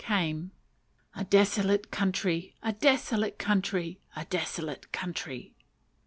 came. "A desolate country! a desolate country! a desolate country!"